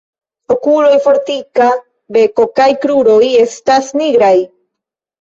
Okuloj, fortika beko kaj kruroj estas nigraj.